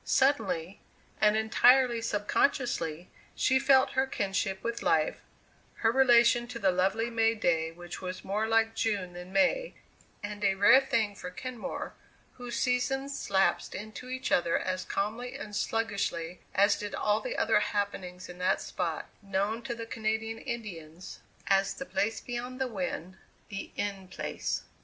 Suddenly, and entirely subconsciously, she felt her kinship with life, her relation to the lovely May day which was more like June than May and a rare thing for Kenmore whose seasons lapsed into each other as calmly and sluggishly as did all the other happenings in that spot known to the Canadian Indians as The Place Beyond the Wind the In Place.